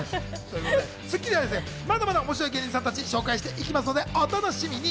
『スッキリ』ではまだまだ面白い芸人さんたちをご紹介していきますのでお楽しみに。